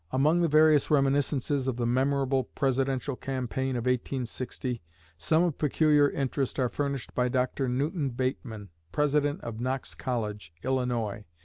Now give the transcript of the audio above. Among the various reminiscences of the memorable Presidential campaign of 1860, some of peculiar interest are furnished by Dr. Newton Bateman, President of Knox College, Illinois.